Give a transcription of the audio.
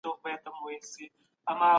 د ژوند کچه په تدريجي ډول بدله سوه.